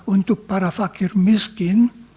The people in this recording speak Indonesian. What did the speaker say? untuk para fakir miskin